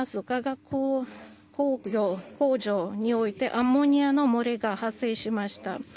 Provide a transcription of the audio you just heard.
化学工場においてアンモニアの漏れが発生しました。